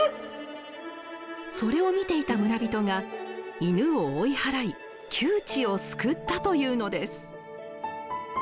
それを見ていた村人が犬を追い払い窮地を救ったというのです。